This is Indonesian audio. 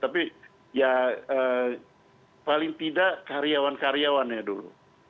tapi ya paling tidak karyawan karyawannya dulu